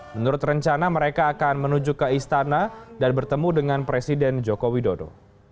menurut rencana mereka akan menuju ke istana dan bertemu dengan presiden joko widodo